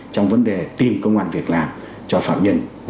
trong vấn đề tìm công an việc làm cho phạm nhân